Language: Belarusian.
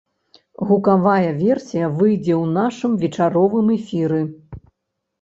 Гукавая версія выйдзе ў нашым вечаровым эфіры.